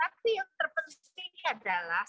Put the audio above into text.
tapi yang terpenting adalah